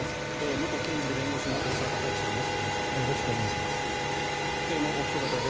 元検事で弁護士の大澤孝征さんです。